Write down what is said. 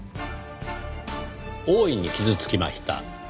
大いに傷つきました。